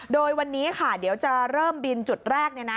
โดยวันนี้ค่ะเดี๋ยวจะเริ่มบินจุดแรก